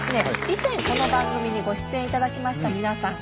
以前この番組にご出演いただきました皆さん